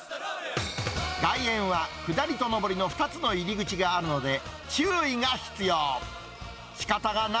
外苑は下りと上りの２つの入り口があるので注意が必要。